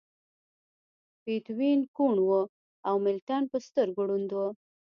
بیتووین کوڼ و او ملټن په سترګو ړوند و